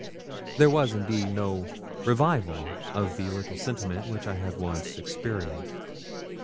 There was, indeed, no revival of the little sentiment which I had once experienced.